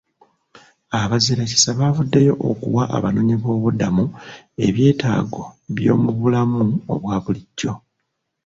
Abazirakisa bavuddeyo okuwa abanoonyiboobubudamu ebyetaago by'omu bulamu obwa bulijjo.